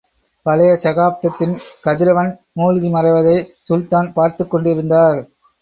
பழைய சகாப்தத்தின் கதிரவன் மூழ்கி மறைவதை சுல்தான் பார்த்துக் கொண்டிருந்தார்.